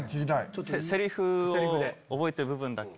セリフを覚えてる部分だけ。